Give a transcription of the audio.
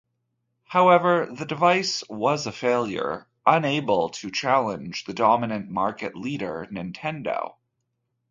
However, the device was a failure, unable to challenge the dominant market leader Nintendo.